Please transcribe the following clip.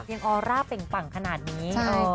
เพียงออร่าเป็นกว่างขนาดนี้